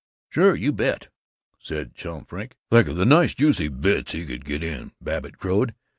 "Sure, you bet!" said Chum Frink. "Think of the nice juicy bits he could get in!" Babbitt crowed.